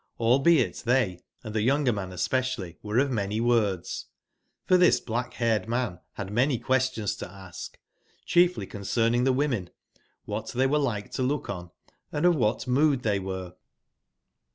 Hlbeit they, and theyounger man especially, were of many words ; for this black/haired man had many questions to ash, chiefly concerning the wo men, whatthey were like to loohon, andofwbatmood they were.